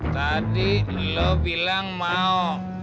tadi lo bilang mau